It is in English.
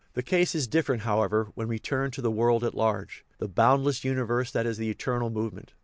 The case is different, however, when we turn to the world at large, the boundless universe that is in eternal movement.